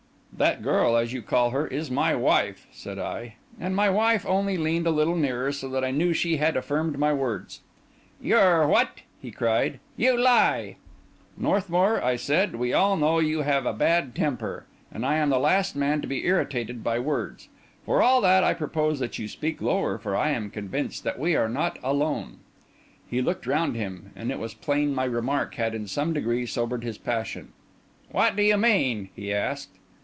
"That girl, as you call her, is my wife," said I; and my wife only leaned a little nearer, so that I knew she had affirmed my words. "Your what?" he cried. "You lie!" "Northmour," I said, "we all know you have a bad temper, and I am the last man to be irritated by words. For all that, I propose that you speak lower, for I am convinced that we are not alone." He looked round him, and it was plain my remark had in some degree sobered his passion. "What do you mean?" he asked.